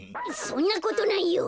そんなことないよ。